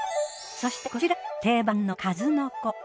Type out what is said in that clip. そしてこちらも定番の数の子。